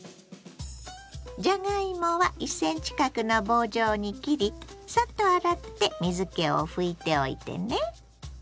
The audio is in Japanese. じゃがいもは１ｃｍ角の棒状に切りサッと洗って水けを拭いておいてね。